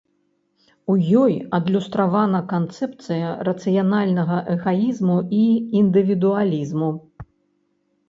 У ёй адлюстравана канцэпцыя рацыянальнага эгаізму і індывідуалізму.